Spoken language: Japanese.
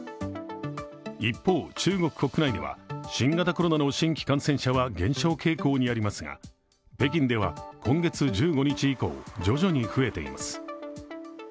一方、中国国内では新型コロナの新規感染者は減少傾向にありますが、北京では今月１５日以降、徐々に増えています。